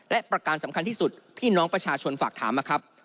และประการสำคัญที่สุดพี่น้องประชาชนฝากถามมาครับ